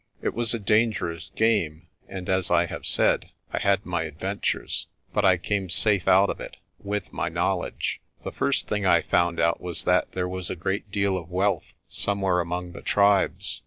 It was a dangerous game, and, as I have said, I had my adventures, but I came safe out of it with my knowledge. "The first thing I found out was that there was a great deal of wealth somewhere among the tribes.